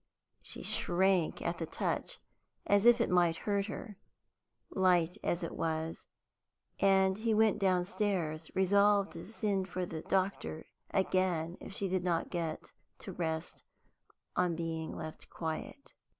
She shrank at the touch as if it hurt her, light as it was, and he went downstairs, resolved to send for the doctor again if she did not get to rest on being left quiet.